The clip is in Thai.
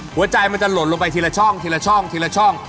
หัวใจมันจะหล่นลงไปทีละช่องทีละช่องทีละช่อง